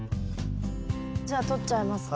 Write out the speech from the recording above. じゃあとっちゃいますね。